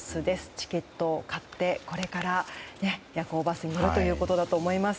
チケットを買ってこれから夜行バスに乗ることだと思います。